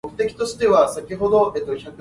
一枝箸，食無糜